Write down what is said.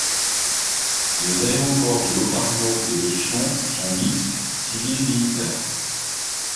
Les aéroports de Locarno et de Sion sont mixtes civil-militaire.